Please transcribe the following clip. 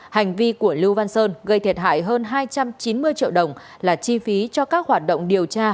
hành vi của lưu văn sơn gây thiệt hại hơn hai trăm chín mươi triệu đồng là chi phí cho các hoạt động điều tra